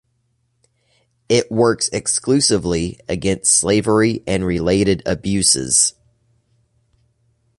It works exclusively against slavery and related abuses.